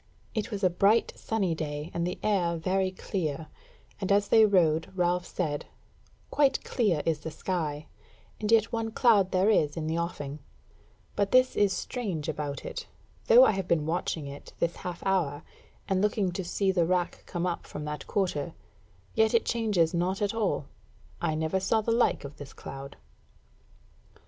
It was a bright sunny day and the air very clear, and as they rode Ralph said: "Quite clear is the sky, and yet one cloud there is in the offing; but this is strange about it, though I have been watching it this half hour, and looking to see the rack come up from that quarter, yet it changes not at all. I never saw the like of this cloud."